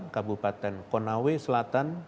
kabupaten konawe selatan